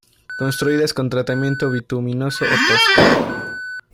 Construidas con tratamiento bituminoso o tosca.